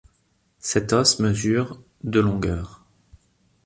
Cet os mesure de longueur.